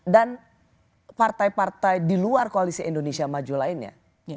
dan partai partai di luar koalisi indonesia maju lainnya